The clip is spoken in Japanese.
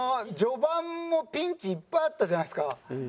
序盤もピンチいっぱいあったじゃないですか。